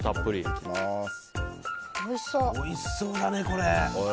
おいしそうだね、これ。